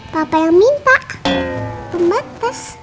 papa yang minta pembatas